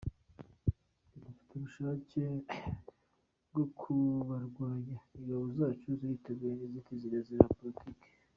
Twe dufite ubushake bwo kubarwanya, ingabo zacu ziriteguye inzitizi ni politiki.